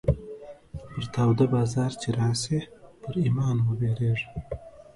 پر تا وده بازار چې راسې ، پر ايمان وبيرېږه.